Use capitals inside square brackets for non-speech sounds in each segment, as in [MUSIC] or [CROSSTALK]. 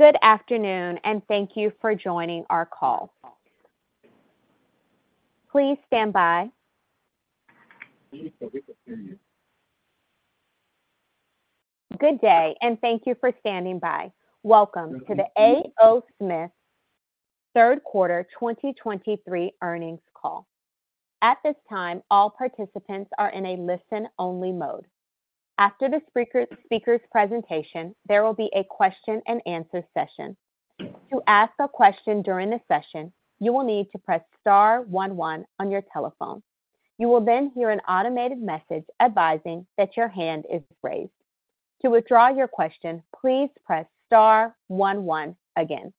Good afternoon, and thank you for joining our call. Please stand by. Good day, and thank you for standing by. Welcome to the A. O. Smith Third Quarter 2023 Earnings Call. At this time, all participants are in a listen-only mode. After the speaker, speaker's presentation, there will be a question-and-answer session. To ask a question during the session, you will need to press star one one on your telephone. You will then hear an automated message advising that your hand is raised. To withdraw your question, please press star one one again.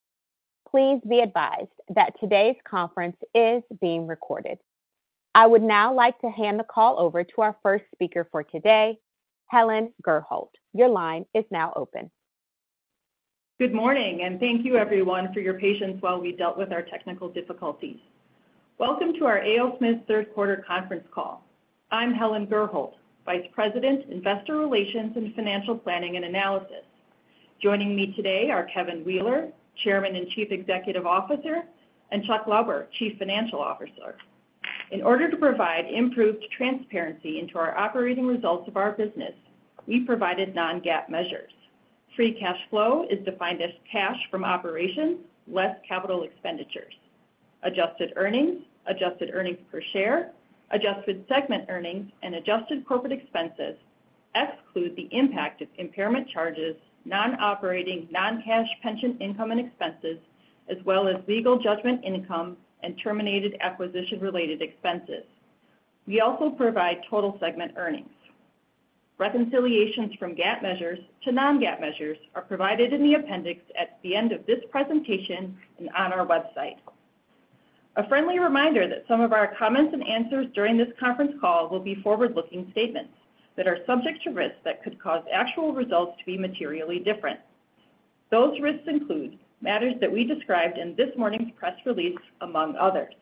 Please be advised that today's conference is being recorded. I would now like to hand the call over to our first speaker for today, Helen Gurholt. Your line is now open. Good morning, and thank you everyone for your patience while we dealt with our technical difficulties. Welcome to our A. O. Smith third-quarter conference call. I'm Helen Gurholt, Vice President, Investor Relations and Financial Planning and Analysis. Joining me today are Kevin Wheeler, Chairman and Chief Executive Officer, and Chuck Lauber, Chief Financial Officer. In order to provide improved transparency into our operating results of our business, we provided non-GAAP measures. Free cash flow is defined as cash from operations, less capital expenditures. Adjusted earnings, adjusted earnings per share, adjusted segment earnings, and adjusted corporate expenses exclude the impact of impairment charges, non-operating non-cash pension income and expenses, as well as legal judgment income and terminated acquisition-related expenses. We also provide total segment earnings. Reconciliations from GAAP measures to non-GAAP measures are provided in the appendix at the end of this presentation and on our website. A friendly reminder that some of our comments and answers during this conference call will be forward-looking statements that are subject to risks that could cause actual results to be materially different. Those risks include matters that we described in this morning's press release, among others.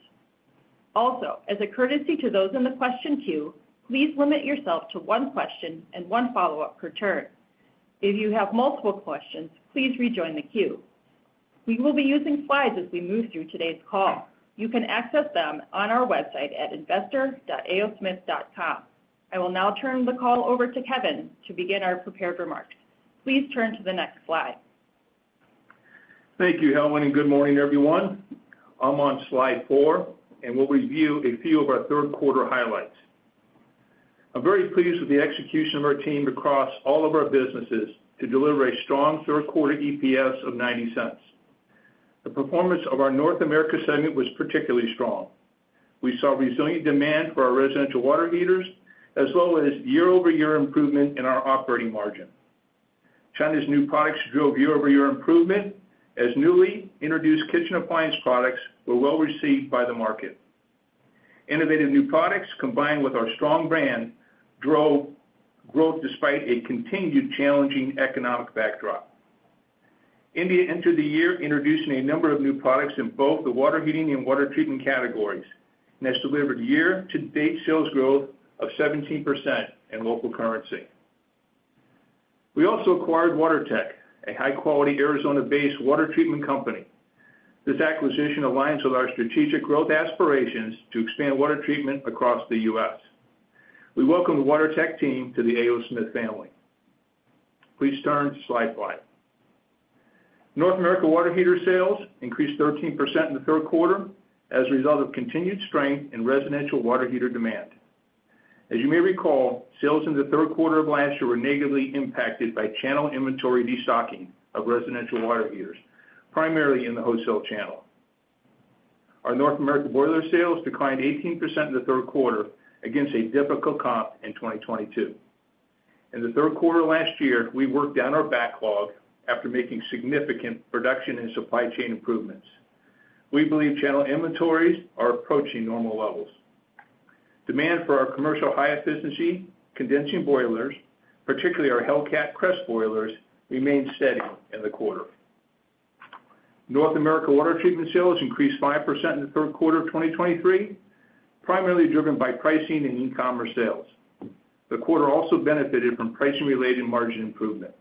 Also, as a courtesy to those in the question queue, please limit yourself to one question and one follow-up per turn. If you have multiple questions, please rejoin the queue. We will be using slides as we move through today's call. You can access them on our website at investor.aosmith.com. I will now turn the call over to Kevin to begin our prepared remarks. Please turn to the next slide. Thank you, Helen, and good morning, everyone. I'm on slide 4, and we'll review a few of our third-quarter highlights. I'm very pleased with the execution of our team across all of our businesses to deliver a strong third-quarter EPS of $0.90. The performance of our North America segment was particularly strong. We saw resilient demand for our residential water heaters, as well as a year-over-year improvement in our operating margin. China's new products drove year-over-year improvement, as newly introduced kitchen appliance products were well received by the market. Innovative new products, combined with our strong brand, drove growth despite a continued challenging economic backdrop. India entered the year introducing a number of new products in both the water heating and water treatment categories, and has delivered year-to-date sales growth of 17% in local currency. We also acquired Water Tec, a high-quality Arizona-based water treatment company. This acquisition aligns with our strategic growth aspirations to expand water treatment across the U.S. We welcome the Water Tec team to the A. O. Smith family. Please turn to slide five. North America water heater sales increased 13% in the third quarter as a result of continued strength in residential water heater demand. As you may recall, sales in the third quarter of last year were negatively impacted by channel inventory destocking of residential water heaters, primarily in the wholesale channel. Our North America boiler sales declined 18% in the third quarter against a difficult comp in 2022. In the third quarter last year, we worked down our backlog after making significant production and supply chain improvements. We believe channel inventories are approaching normal levels. Demand for our commercial high-efficiency condensing boilers, particularly our Hellcat CREST boilers, remained steady in the quarter. North America water treatment sales increased 5% in the third quarter of 2023, primarily driven by pricing and e-commerce sales. The quarter also benefited from pricing-related margin improvement.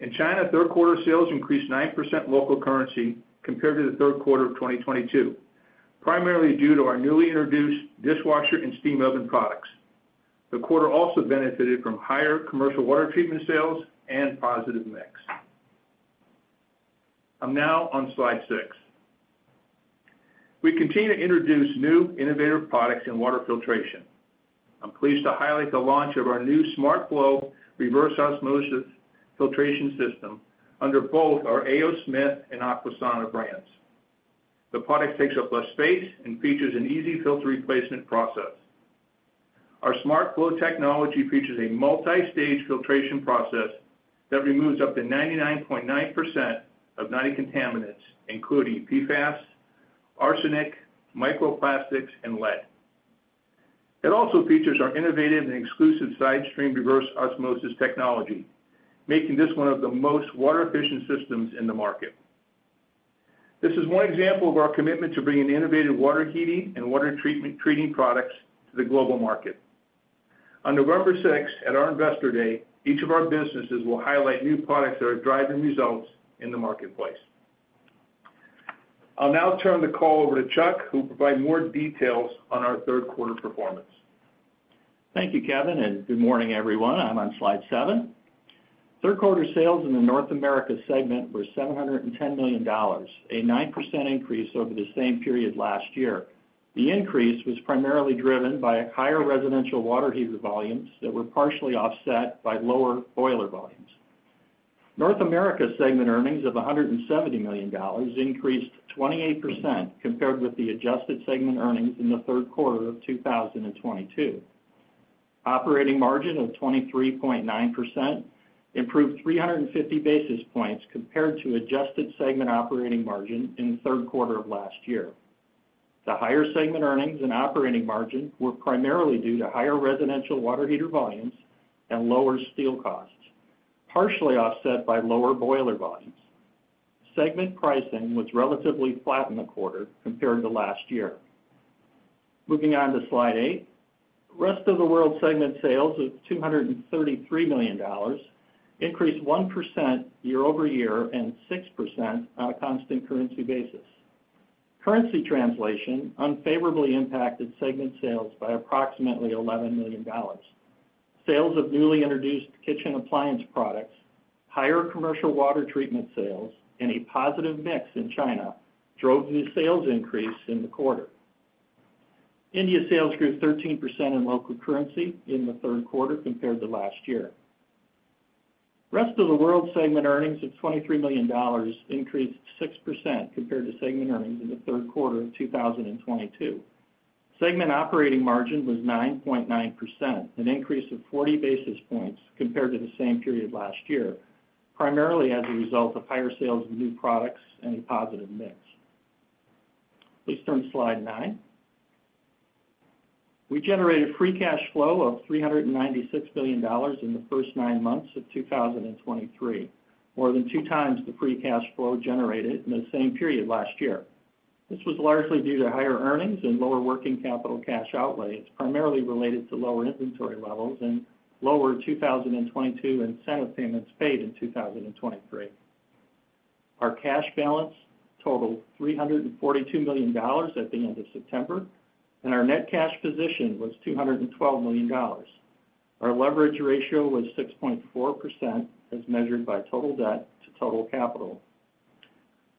In China, third-quarter sales increased 9% local currency compared to the third quarter of 2022, primarily due to our newly introduced dishwasher and steam oven products. The quarter also benefited from higher commercial water treatment sales and positive mix. I'm now on slide 6. We continue to introduce new, innovative products in water filtration. I'm pleased to highlight the launch of our new SmartFlow Reverse Osmosis Filtration System under both our A. O. Smith and Aquasana brands. The product takes up less space and features an easy filter replacement process. Our SmartFlow technology features a multi-stage filtration process that removes up to 99.9% of 90 contaminants, including PFAS, arsenic, microplastics, and lead. It also features our innovative and exclusive Side Stream Reverse Osmosis technology, making this one of the most water-efficient systems in the market. This is one example of our commitment to bringing innovative water heating and water treatment products to the global market. On November 6th, at our Investor Day, each of our businesses will highlight new products that are driving results in the marketplace. I'll now turn the call over to Chuck, who will provide more details on our third-quarter performance. Thank you, Kevin, and good morning, everyone. I'm on slide 7. Third quarter sales in the North America segment were $710 million, a 9% increase over the same period last year. The increase was primarily driven by higher residential water heater volumes that were partially offset by lower boiler volumes. North America segment earnings of $170 million increased 28% compared with the adjusted segment earnings in the third quarter of 2022. Operating margin of 23.9% improved 350 basis points compared to adjusted segment operating margin in the third quarter of last year. The higher segment earnings and operating margin were primarily due to higher residential water heater volumes and lower steel costs, partially offset by lower boiler volumes. Segment pricing was relatively flat in the quarter compared to last year. Moving on to slide 8. Rest of World segment sales of $233 million increased 1% year-over-year and 6% on a constant currency basis. Currency translation unfavorably impacted segment sales by approximately $11 million. Sales of newly introduced kitchen appliance products, higher commercial water treatment sales, and a positive mix in China drove the sales increase in the quarter. India sales grew 13% in local currency in the third quarter compared to last year. Rest of the World segment earnings of $23 million increased 6% compared to segment earnings in the third quarter of 2022. Segment operating margin was 9.9%, an increase of 40 basis points compared to the same period last year, primarily as a result of higher sales of new products and a positive mix. Please turn to slide 9. We generated free cash flow of $396 billion in the first 9 months of 2023, more than 2x the free cash flow generated in the same period last year. This was largely due to higher earnings and lower working capital cash outlay, primarily related to lower inventory levels and lower 2022 incentive payments paid in 2023. Our cash balance totaled $342 million at the end of September, and our net cash position was $212 million. Our leverage ratio was 6.4%, as measured by total debt to total capital.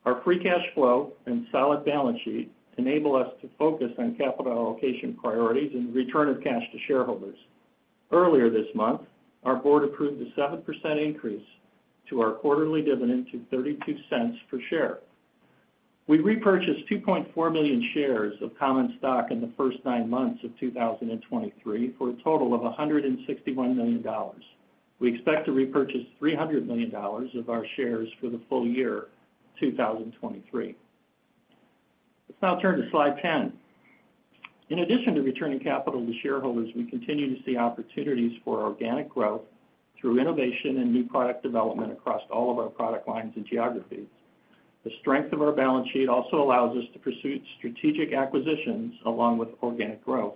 Our free cash flow and solid balance sheet enable us to focus on capital allocation priorities and return of cash to shareholders. Earlier this month, our board approved a 7% increase to our quarterly dividend to $0.32 per share. We repurchased 2.4 million shares of common stock in the first nine months of 2023, for a total of $161 million. We expect to repurchase $300 million of our shares for the full year, 2023. Let's now turn to slide 10. In addition to returning capital to shareholders, we continue to see opportunities for organic growth through innovation and new product development across all of our product lines and geographies. The strength of our balance sheet also allows us to pursue strategic acquisitions along with organic growth.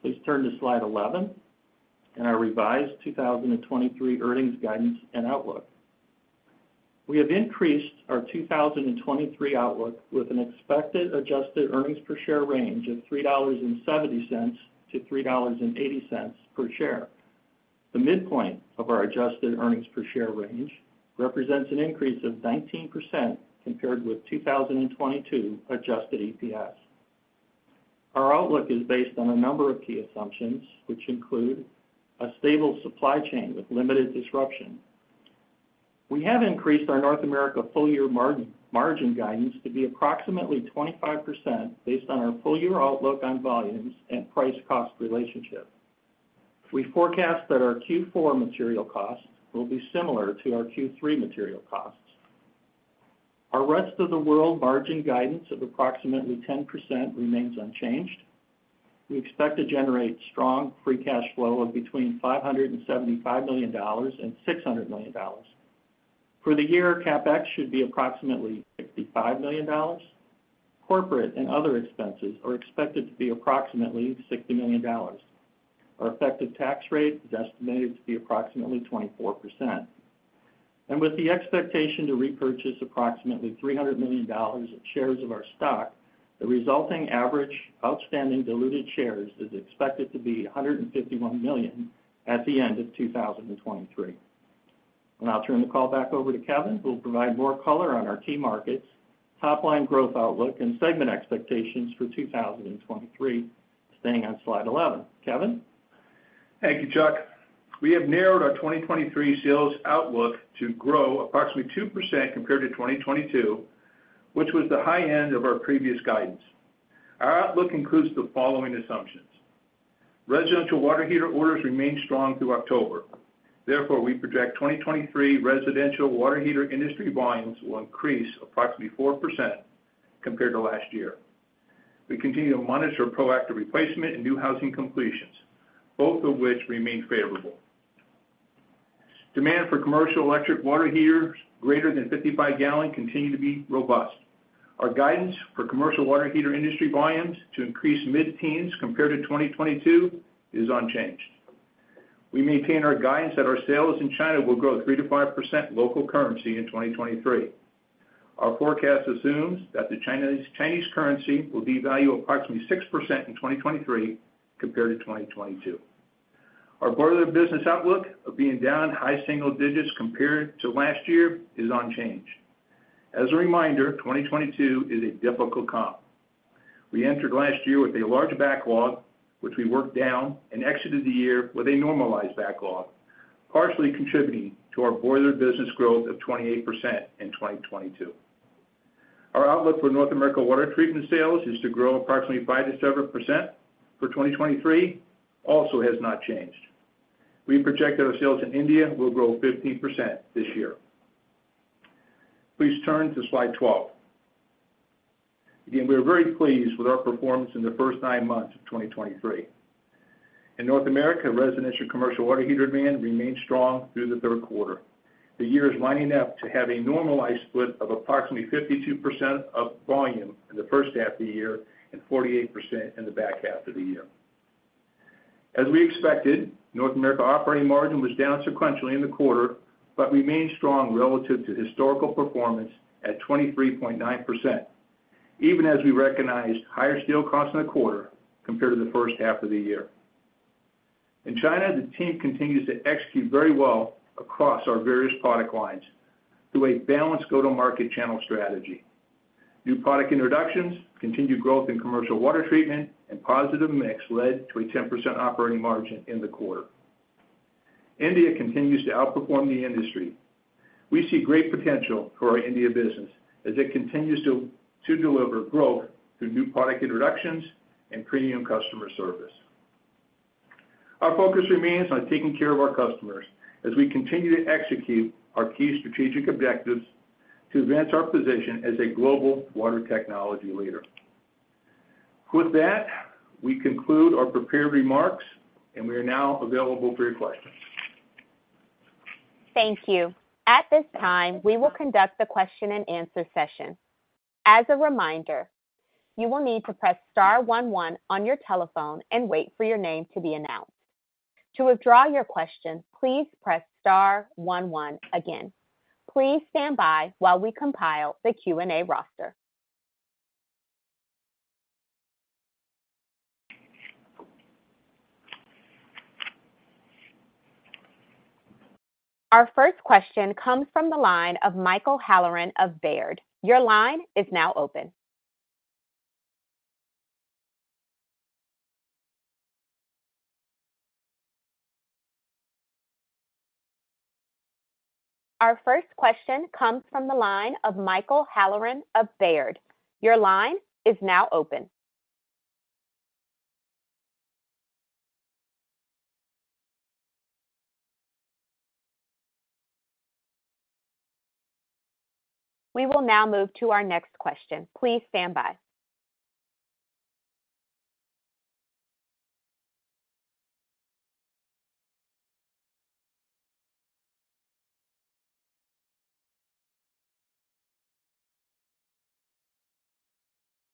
Please turn to slide 11, and our revised 2023 earnings guidance and outlook. We have increased our 2023 outlook with an expected adjusted earnings per share range of $3.70-$3.80 per share. The midpoint of our adjusted earnings per share range represents an increase of 19% compared with 2022 adjusted EPS. Our outlook is based on a number of key assumptions, which include a stable supply chain with limited disruption. We have increased our North America full-year margin, margin guidance to be approximately 25% based on our full-year outlook on volumes and price-cost relationship. We forecast that our Q4 material costs will be similar to our Q3 material costs. Our Rest of World margin guidance of approximately 10% remains unchanged. We expect to generate strong free cash flow of between $575 million and $600 million. For the year, CapEx should be approximately $65 million. Corporate and other expenses are expected to be approximately $60 million. Our effective tax rate is estimated to be approximately 24%. And with the expectation to repurchase approximately $300 million of shares of our stock, the resulting average outstanding diluted shares is expected to be 151 million at the end of 2023. And I'll turn the call back over to Kevin, who will provide more color on our key markets, top-line growth outlook, and segment expectations for 2023, staying on slide 11. Kevin? Thank you, Chuck. We have narrowed our 2023 sales outlook to grow approximately 2% compared to 2022, which was the high end of our previous guidance. Our outlook includes the following assumptions: residential water heater orders remain strong through October. Therefore, we project 2023 residential water heater industry volumes will increase approximately 4% compared to last year. We continue to monitor proactive replacement and new housing completions, both of which remain favorable. Demand for commercial electric water heaters greater than 55-gallon continue to be robust. Our guidance for commercial water heater industry volumes to increase mid-teens compared to 2022 is unchanged. We maintain our guidance that our sales in China will grow 3%-5% local currency in 2023. Our forecast assumes that the Chinese currency will devalue approximately 6% in 2023 compared to 2022. Our boiler business outlook of being down high single digits compared to last year is unchanged. As a reminder, 2022 is a difficult comp. We entered last year with a large backlog, which we worked down and exited the year with a normalized backlog, partially contributing to our boiler business growth of 28% in 2022. Our outlook for North America water treatment sales is to grow approximately 5%-7% for 2023, also has not changed. We project that our sales in India will grow 15% this year. Please turn to slide 12. Again, we are very pleased with our performance in the first 9 months of 2023. In North America, residential commercial water heater demand remained strong through the third quarter. The year is lining up to have a normalized split of approximately 52% of volume in the first half of the year and 48% in the back half of the year. As we expected, North America operating margin was down sequentially in the quarter, but remained strong relative to historical performance at 23.9%, even as we recognized higher steel costs in the quarter compared to the first half of the year. In China, the team continues to execute very well across our various product lines through a balanced go-to-market channel strategy. New product introductions, continued growth in commercial water treatment, and positive mix led to a 10% operating margin in the quarter. India continues to outperform the industry. We see great potential for our India business as it continues to deliver growth through new product introductions and premium customer service. Our focus remains on taking care of our customers as we continue to execute our key strategic objectives to advance our position as a global water technology leader. With that, we conclude our prepared remarks and we are now available for your questions. Thank you. At this time, we will conduct the question-and-answer session. As a reminder, you will need to press star one, one on your telephone and wait for your name to be announced. To withdraw your question, please press star one, one again. Please stand by while we compile the Q&A roster. Our first question comes from the line of Michael Halloran of Baird. Your line is now open. Our first question comes from the line of Michael Halloran of Baird. Your line is now open. We will now move to our next question. Please stand by.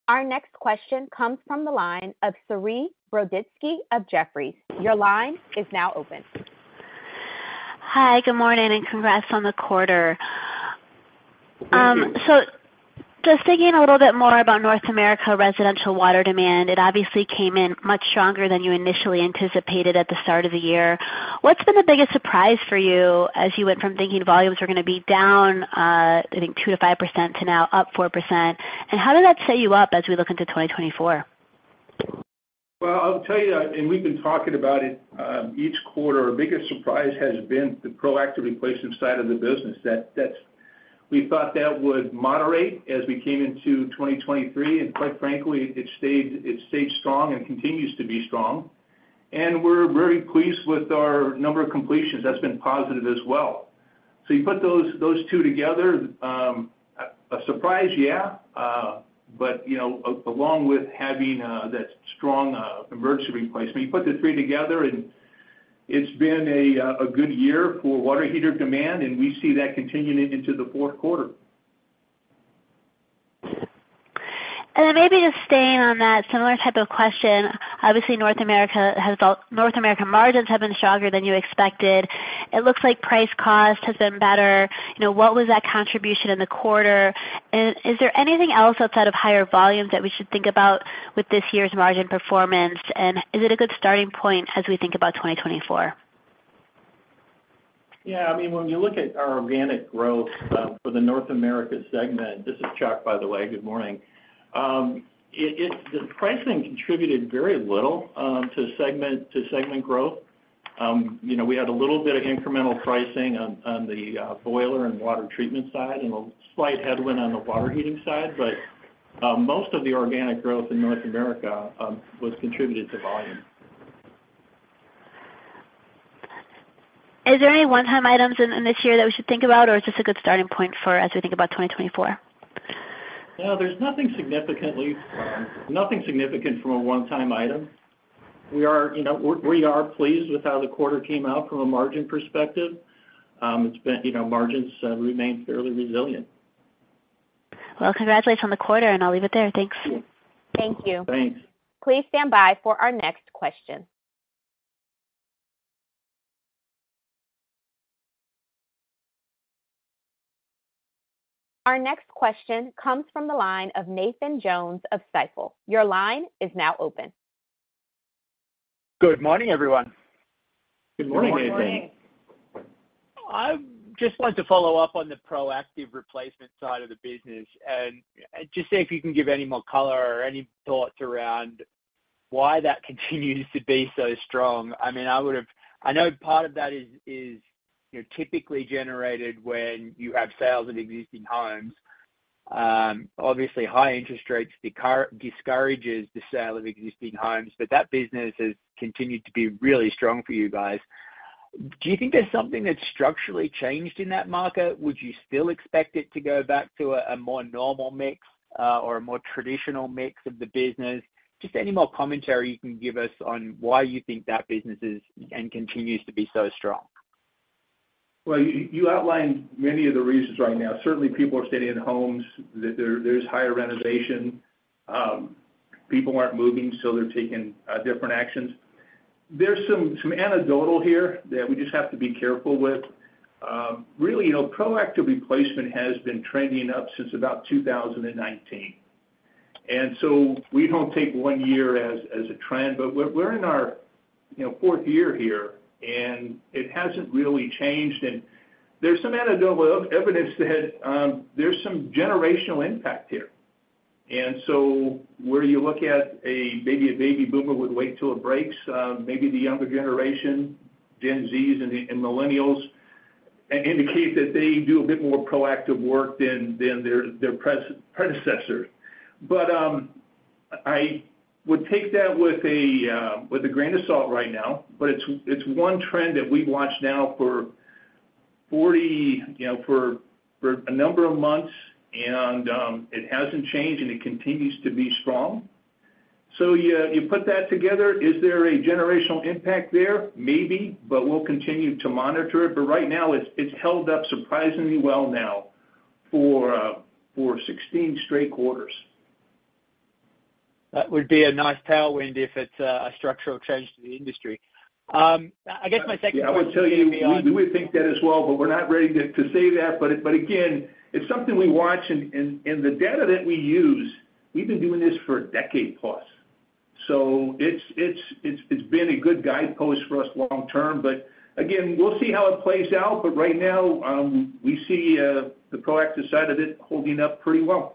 Our next question comes from the line of Saree Boroditsky of Jefferies. Your line is now open. Hi, good morning, and congrats on the quarter. Just digging a little bit more about North America residential water demand, it obviously came in much stronger than you initially anticipated at the start of the year. What's been the biggest surprise for you as you went from thinking volumes were going to be down, I think 2%-5% to now up 4%? And how did that set you up as we look into 2024? Well, I'll tell you, and we've been talking about it each quarter. Our biggest surprise has been the proactive replacement side of the business, that we thought that would moderate as we came into 2023, and quite frankly, it stayed, it stayed strong and continues to be strong. And we're very pleased with our number of completions. That's been positive as well. So you put those, those two together, a surprise, yeah, but, you know, along with having that strong emergency replacement, you put the three together and it's been a good year for water heater demand, and we see that continuing into the fourth quarter. Then maybe just staying on that similar type of question. Obviously, North America has-- North American margins have been stronger than you expected. It looks like price cost has been better. You know, what was that contribution in the quarter? Is there anything else outside of higher volumes that we should think about with this year's margin performance? Is it a good starting point as we think about 2024? Yeah, I mean, when you look at our organic growth for the North America segment, this is Chuck, by the way. Good morning. The pricing contributed very little to segment growth. You know, we had a little bit of incremental pricing on the boiler and water treatment side and a slight headwind on the water heating side, but most of the organic growth in North America was contributed to volume. Is there any one-time items in this year that we should think about, or is this a good starting point for as we think about 2024? No, there's nothing significantly, nothing significant from a one-time item. We are, you know, we, we are pleased with how the quarter came out from a margin perspective. It's been, you know, margins remain fairly resilient. Well, congratulations on the quarter, and I'll leave it there. Thanks. Thank you. Thanks. Please stand by for our next question. Our next question comes from the line of Nathan Jones of Stifel. Your line is now open. Good morning, everyone. Good morning, Nathan. I just wanted to follow up on the proactive replacement side of the business and just see if you can give any more color or any thoughts around why that continues to be so strong. I mean, I would have—I know part of that is, you know, typically generated when you have sales of existing homes. Obviously, high interest rates discourages the sale of existing homes, but that business has continued to be really strong for you guys. Do you think there's something that's structurally changed in that market? Would you still expect it to go back to a more normal mix, or a more traditional mix of the business? Just any more commentary you can give us on why you think that business is and continues to be so strong. Well, you outlined many of the reasons right now. Certainly, people are staying in homes. There's higher renovation. People aren't moving, so they're taking different actions. There's some anecdotal here that we just have to be careful with. Really, you know, proactive replacement has been trending up since about 2019. And so we don't take one year as a trend, but we're in our, you know, fourth year here, and it hasn't really changed. And there's some anecdotal evidence that there's some generational impact here. And so where you look at a maybe a baby boomer would wait till it breaks, maybe the younger generation, Gen Zs and the millennials, indicate that they do a bit more proactive work than their predecessors. But, I would take that with a, with a grain of salt right now. But it's, it's one trend that we've watched now for 40, you know, for, for a number of months, and, it hasn't changed, and it continues to be strong. So you, you put that together, is there a generational impact there? Maybe, but we'll continue to monitor it. But right now, it's, it's held up surprisingly well now for, for 16 straight quarters. That would be a nice tailwind if it's a structural change to the industry. I guess my second question would be on- I will tell you, we do think that as well, but we're not ready to say that. But again, it's something we watch and the data that we use, we've been doing this for a decade plus, so it's been a good guidepost for us long term. But again, we'll see how it plays out. But right now, we see the proactive side of it holding up pretty well.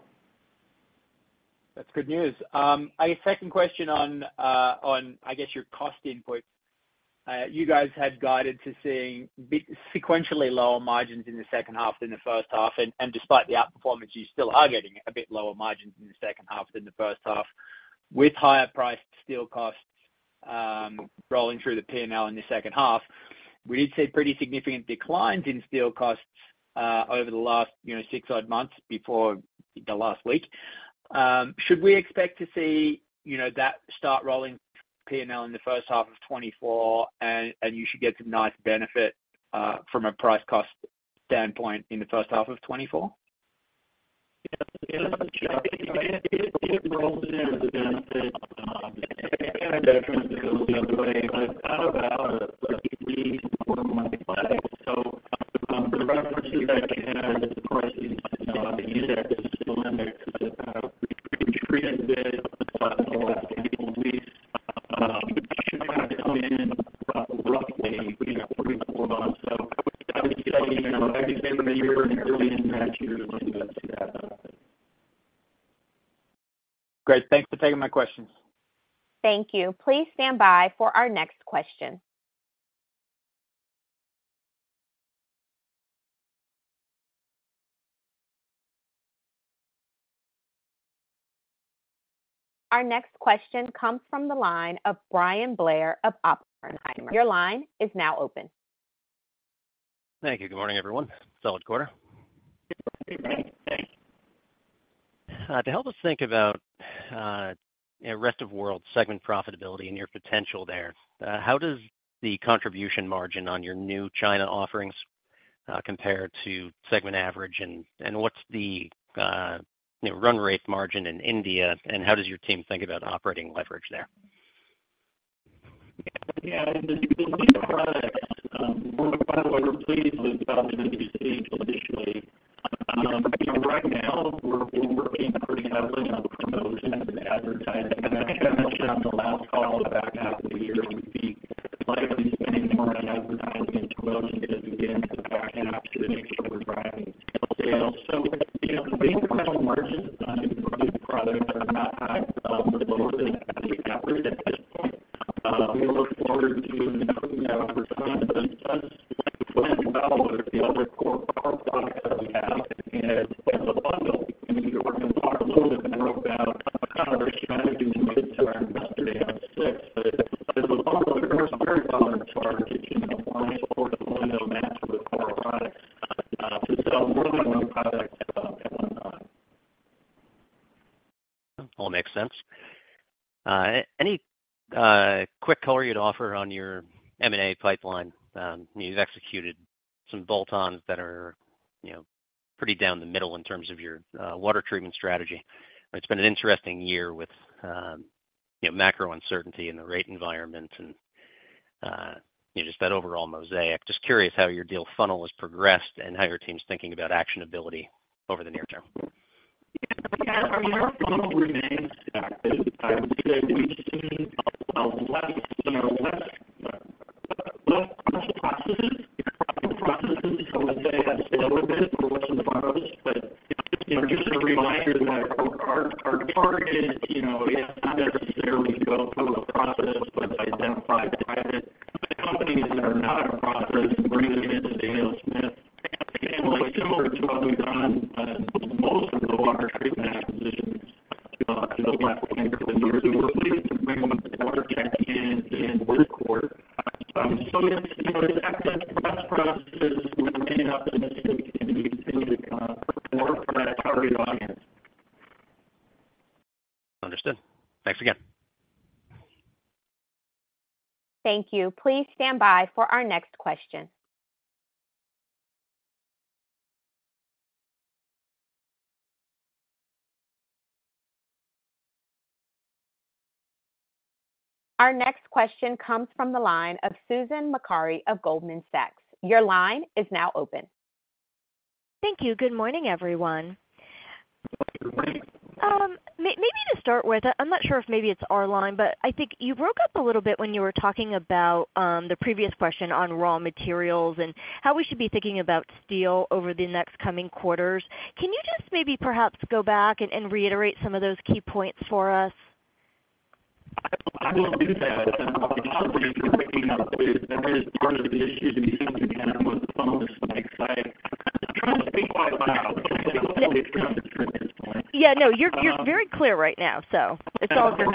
That's good news. I guess second question on your cost input. You guys had guided to seeing a bit sequentially lower margins in the second half than the first half, and despite the outperformance, you still are getting a bit lower margins in the second half than the first half, with higher priced steel costs rolling through the P&L in the second half. We did see pretty significant declines in steel costs over the last, you know, six odd months before the last week. Should we expect to see, you know, that start rolling P&L in the first half of 2024, and you should get some nice benefit from a price cost standpoint in the first half of 2024? [AUDIO DISTORTION] Great. Thanks for taking my questions. Thank you. Please stand by for our next question. Our next question comes from the line of Bryan Blair of Oppenheimer. Your line is now open. Thank you. Good morning, everyone. Solid quarter. Good morning. Thanks. To help us think about rest of world segment profitability and your potential there, how does the contribution margin on your new China offerings compare to segment average? And, what's the, you know, run rate margin in India, and how does your team think about operating leverage there? [AUDIO DISTORTION] All makes sense. Any quick color you'd offer on your M&A pipeline? You've executed some bolt-ons that are, you know, pretty down the middle in terms of your water treatment strategy. It's been an interesting year with, you know, macro uncertainty in the rate environment and you just that overall mosaic. Just curious how your deal funnel has progressed and how your team's thinking about actionability over the near term. [AUDIO DISTORTION] Understood. Thanks again. Thank you. Please stand by for our next question. Our next question comes from the line of Susan Maklari of Goldman Sachs. Your line is now open. Thank you. Good morning, everyone. Good morning. Maybe to start with, I'm not sure if maybe it's our line, but I think you broke up a little bit when you were talking about the previous question on raw materials and how we should be thinking about steel over the next coming quarters. Can you just maybe perhaps go back and reiterate some of those key points for us? [AUDIO DISTORTION] Yeah, no, you're, you're very clear right now, so it's all good.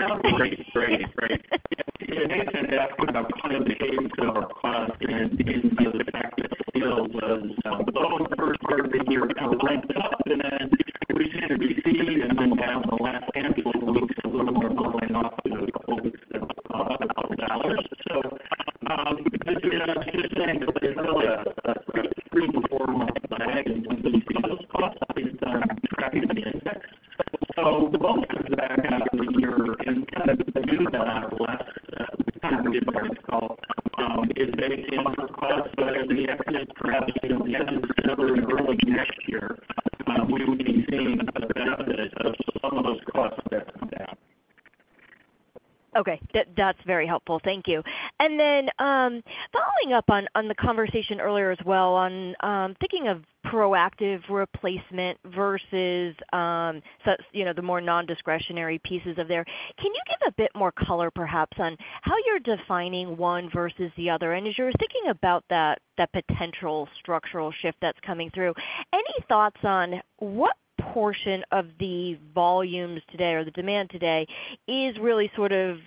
Okay, that, that's very helpful. Thank you. And then, following up on, on the conversation earlier as well, on, thinking of proactive replacement versus, so, you know, the more non-discretionary pieces of there. Can you give a bit more color, perhaps, on how you're defining one versus the other? And as you're thinking about that, that potential structural shift that's coming through, any thoughts on what portion of the volumes today or the demand today is really sort of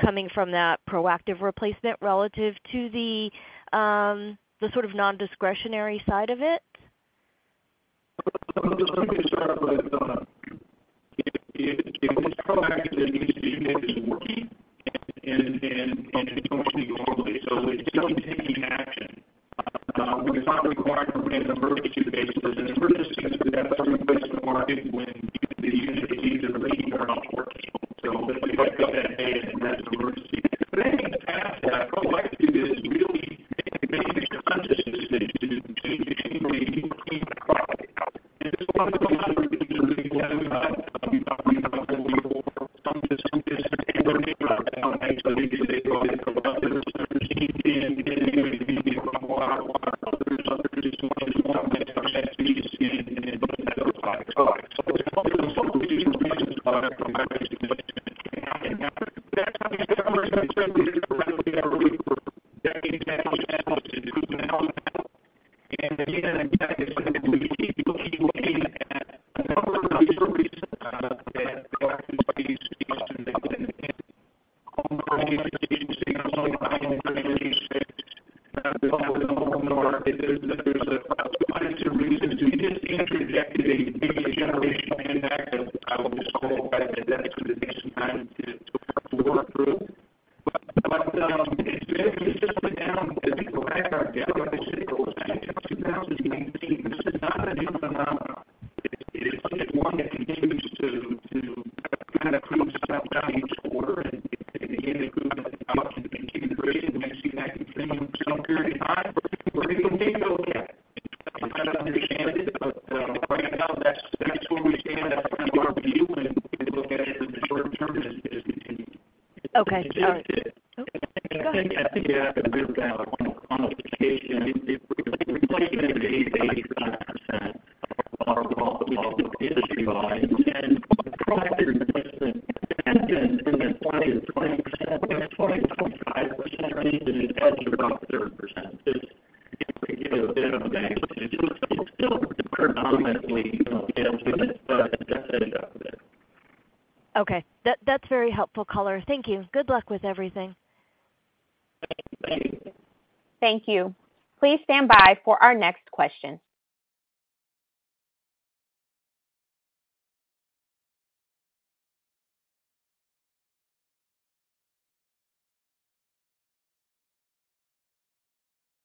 coming from that proactive replacement relative to the, the sort of non-discretionary side of it? [AUDIO DISTORTION] Okay. All right. [AUDIO DISTORTION] Okay, that's very helpful color. Thank you. Good luck with everything. Thank you. Please stand by for our next question.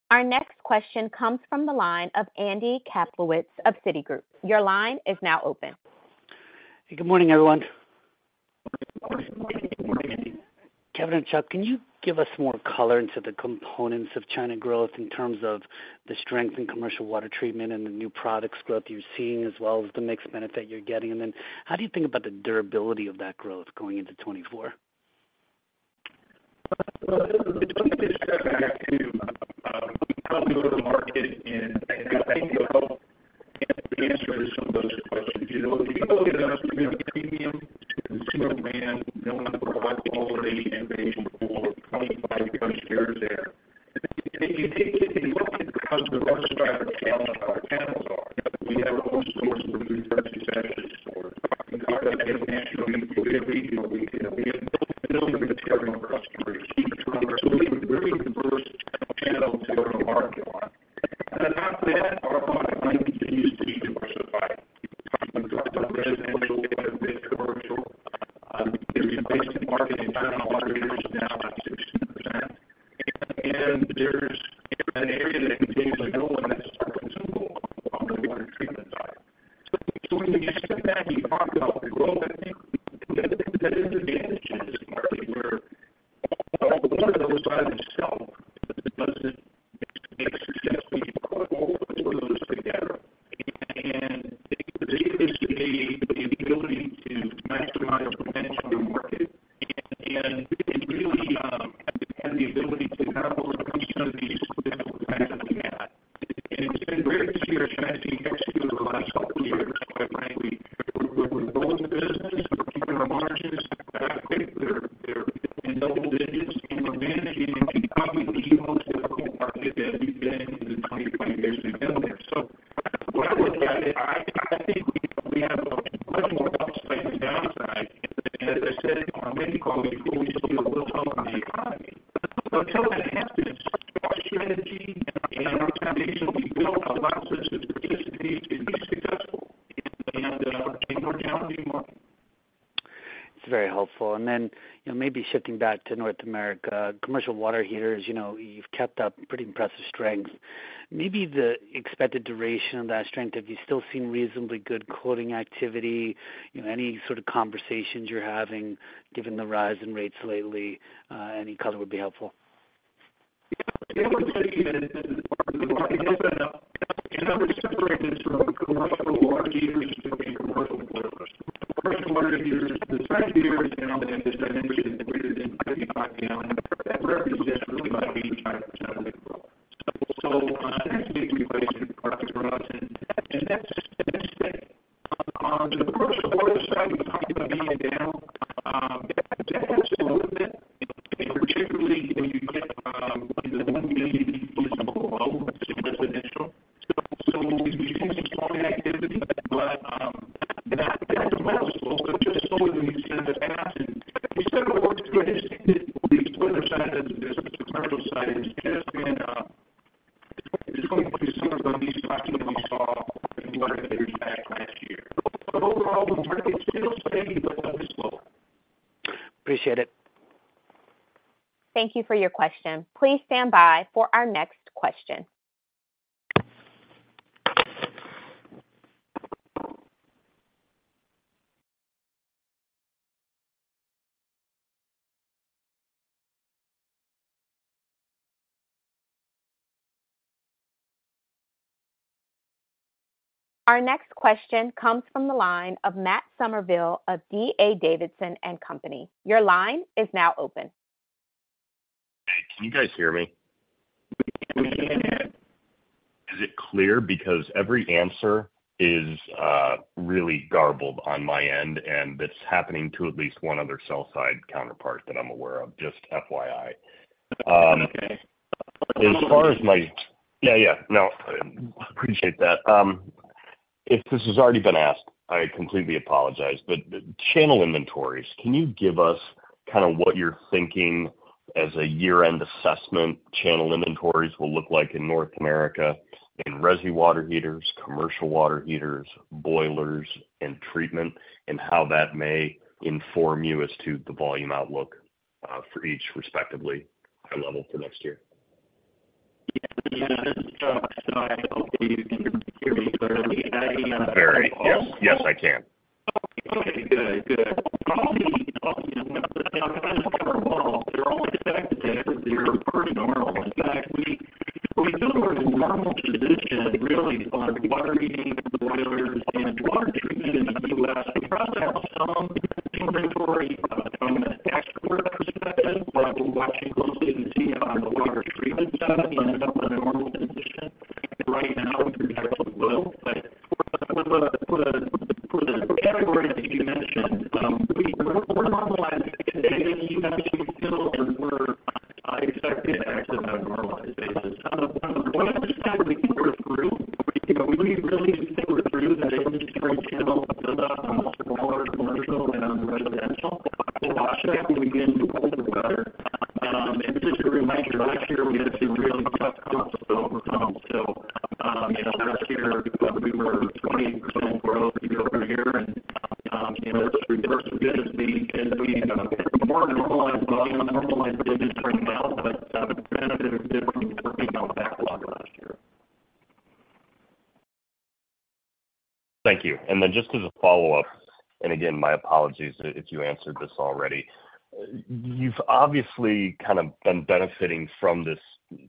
Our next question comes from the line of Andy Kaplowitz of Citigroup. Your line is now open. Good morning, everyone. Good morning, Andy. Kevin and Chuck, can you give us more color into the components of China growth in terms of the strength in commercial water treatment and the new products growth you're seeing, as well as the mixed benefit you're getting? And then how do you think about the durability of that growth going into 2024? [AUDIO DISTORTION] It's very helpful. And then, you know, maybe shifting back to North America, commercial water heaters, you know, you've kept up pretty impressive strength. Maybe the expected duration of that strength, have you still seen reasonably good quoting activity? You know, any sort of conversations you're having given the rise in rates lately? Any color would be helpful. [AUDIO DISTORTION] Appreciate it. Thank you for your question. Please stand by for our next question. Our next question comes from the line of Matt Summerville of D.A. Davidson and Company. Your line is now open. Can you guys hear me? We can. Is it clear? Because every answer is really garbled on my end, and it's happening to at least one other sell-side counterpart that I'm aware of, just FYI. No, I appreciate that. If this has already been asked, I completely apologize, but channel inventories, can you give us kind of what you're thinking as a year-end assessment, channel inventories will look like in North America in resi water heaters, commercial water heaters, boilers, and treatment, and how that may inform you as to the volume outlook for each respectively, high-level for next year? [AUDIO DISTORTION] Very. Yes. Yes, I can. [AUDIO DISTORTION] Thank you. And then just as a follow-up, and again, my apologies if you answered this already. You've obviously kind of been benefiting from this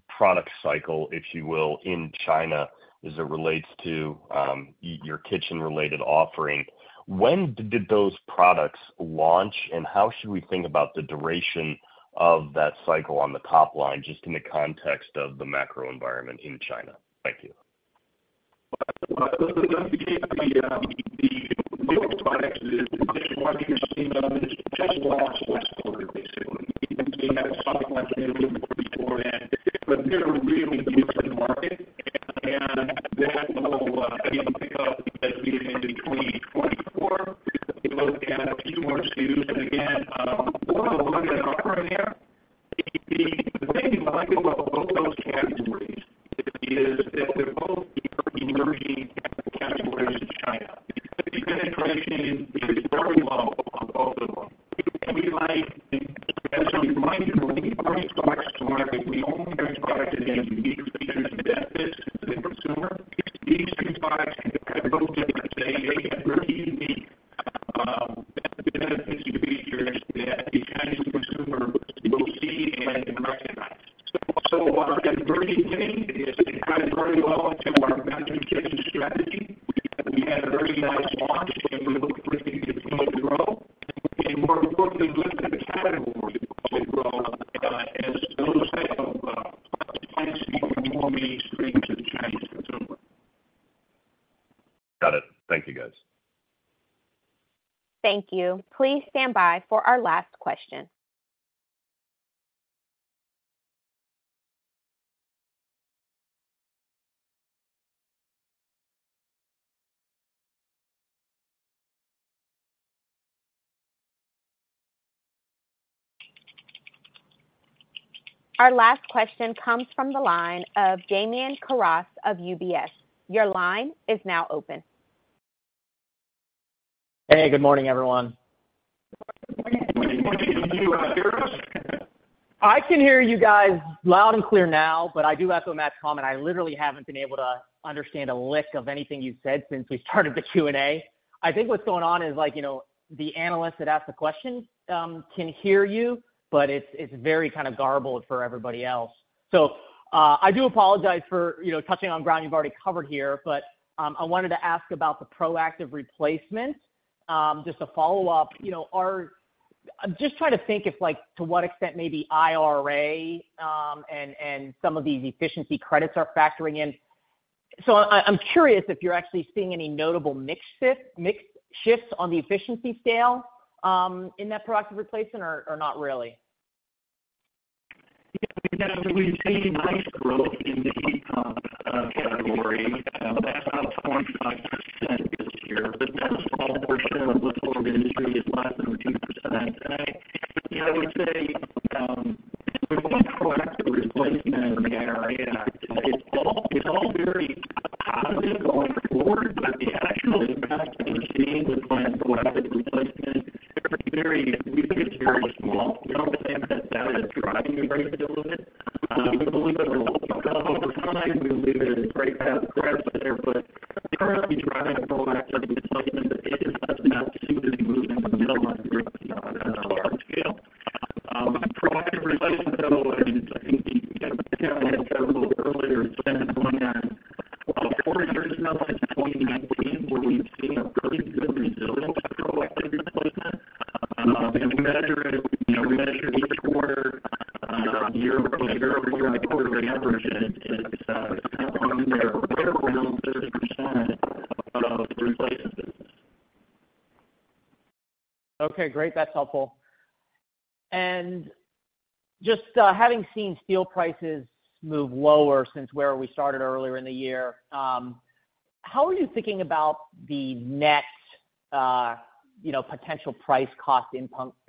product cycle, if you will, in China as it relates to your kitchen-related offering. When did those products launch, and how should we think about the duration of that cycle on the top line, just in the context of the macro environment in China? Thank you. [AUDIO DISTORTION] Got it. Thank you, guys. Thank you. Please stand by for our last question. Our last question comes from the line of Damian Karas of UBS. Your line is now open. Hey, good morning, everyone. Good morning. Can you hear us? I can hear you guys loud and clear now, but I do echo Matt's comment. I literally haven't been able to understand a lick of anything you've said since we started the Q&A. I think what's going on is, like, you know, the analyst that asked the question, can hear you, but it's, it's very kind of garbled for everybody else. So, I do apologize for, you know, touching on ground you've already covered here, but, I wanted to ask about the proactive replacement. Just to follow up, you know, are - I'm just trying to think if, like, to what extent maybe IRA, and, and some of these efficiency credits are factoring in. So I, I'm curious if you're actually seeing any notable mix shift, mix shifts on the efficiency scale, in that proactive replacement or, or not really? Okay, great. That's helpful. And just having seen steel prices move lower since where we started earlier in the year, how are you thinking about the next, you know, potential price cost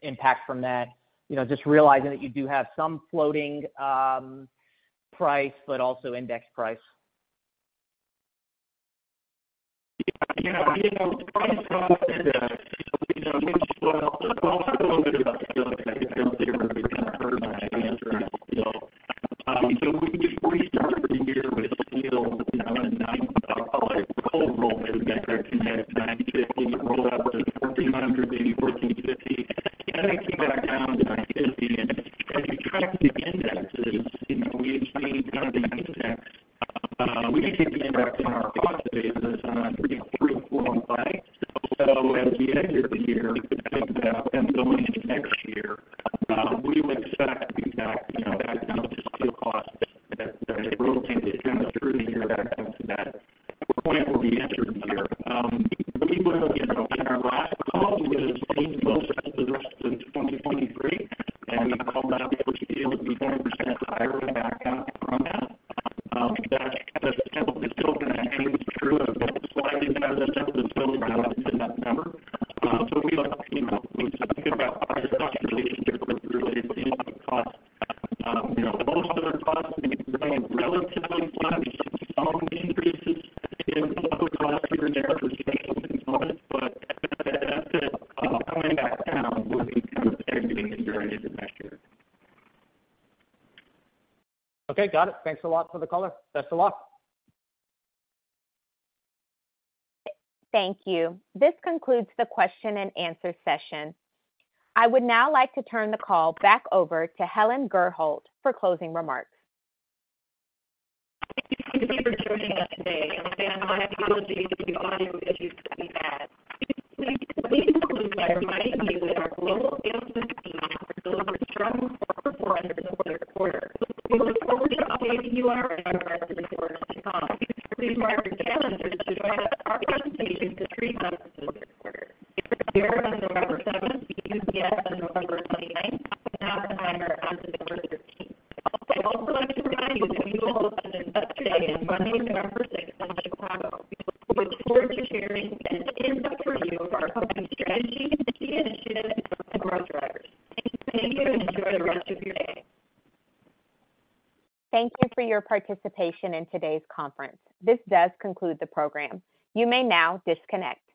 impact from that? You know, just realizing that you do have some floating price, but also index price. Okay, got it. Thanks a lot for the color. Best of luck. Thank you. This concludes the question-and-answer session. I would now like to turn the call back over to Helen Gurholt for closing remarks. [AUDIO DISTORTION] Thank you for your participation in today's conference. This does conclude the program. You may now disconnect.